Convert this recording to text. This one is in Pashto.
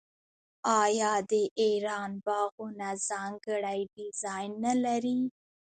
آیا د ایران باغونه ځانګړی ډیزاین نلري؟